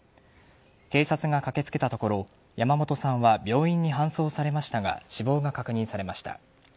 警察が駆けつけたところ山本さんは病院に搬送されましたが死亡が確認されました。